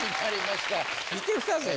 見てください